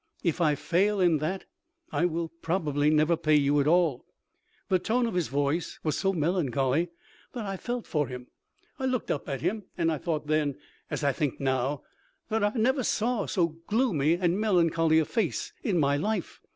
If I fail in that I will probably never pay you at all.' The tone of his voice was so melancholy that I felt for him. I looked up at him and I thought then, as I think now, that I never saw so gloonly and melan choly a face in my life.